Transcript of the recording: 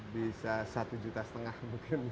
bisa satu juta setengah mungkin